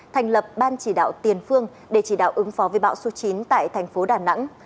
thành lập ban chỉ đạo tiền phương để chỉ đạo ứng phó với bão số chín tại thành phố đà nẵng